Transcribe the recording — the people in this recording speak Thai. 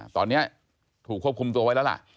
ตอนนี้ถูกควบคุมตัวไว้แล้วล่ะ